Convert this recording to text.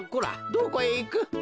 どこへいく？